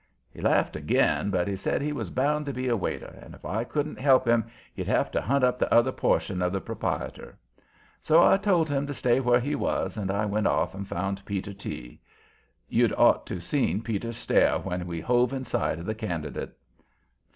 He laughed again, but he said he was bound to be a waiter and if I couldn't help him he'd have to hunt up the other portion of the proprietor. So I told him to stay where he was, and I went off and found Peter T. You'd ought to seen Peter stare when we hove in sight of the candidate.